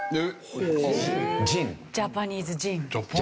ジャパニーズ・ジン。